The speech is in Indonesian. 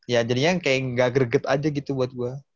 ya jadinya kayak gak greget aja gitu buat gue